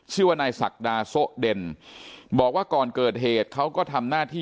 ชื่อว่านายศักดาโซะเด่นบอกว่าก่อนเกิดเหตุเขาก็ทำหน้าที่